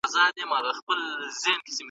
انا وویل چې دا هلک یو الهي ازمېښت دی.